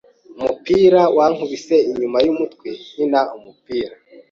Umupira wankubise inyuma yumutwe nkina umupira.